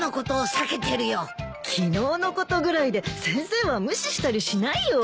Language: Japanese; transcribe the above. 昨日のことぐらいで先生は無視したりしないよ。